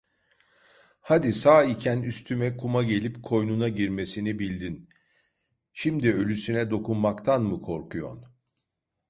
Hadi, sağ iken üstüme kuma gelip koynuna girmesini bildin, şimdi ölüsüne dokunmaktan mı korkuyon!